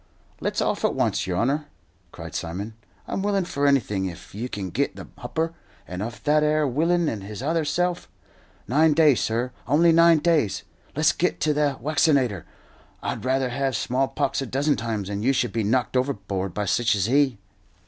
"Let's off at once, yer honour," cried Simon. "I'm willin' for anything if you can git the hupper 'and of that 'ere willain and his other self. Nine days, sur only nine days! Let's git to the waccinator. I'd rather have small pox a dozen times than you should be knocked overboard by sich as he."